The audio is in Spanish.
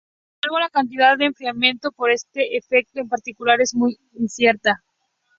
Sin embargo la cantidad de enfriamiento por este efecto en particular es muy incierta.